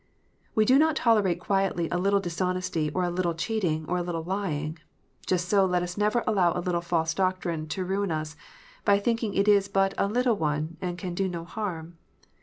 We do not tolerate quietly a little dishonesty, or a little cheating, or a little lying : just so, let us never allow a little false doctrine to ruin us, by thinking it is but a "little one," and can do no harm.